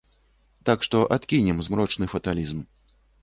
Так што адкінем змрочны фаталізм.